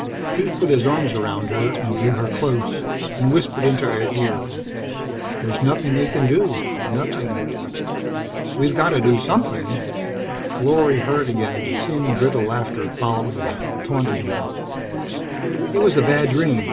Pete put his arms around her and drew her close and whispered into her ear. "There's nothing we can do nothing." "We've got to do something." Lorry heard again the thin, brittle laughter following her, taunting her. "It was a bad dream.